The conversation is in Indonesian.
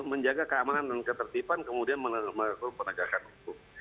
menjaga keamanan dan ketertiban kemudian melakukan penegakan hukum